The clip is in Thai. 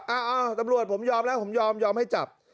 อ้าวตำรวจผมยอมแล้วผมยอมยอมให้จับ